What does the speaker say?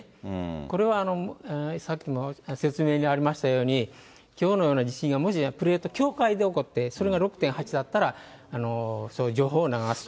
これはさっきの説明にありましたように、きょうのような地震がもし、プレート、境界で起こって、それが６．８だったら、そういう情報を流すと。